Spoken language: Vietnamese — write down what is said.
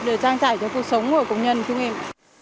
để trang trải cho cuộc sống của công nhân chúng em